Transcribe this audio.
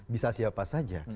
bisa siapa saja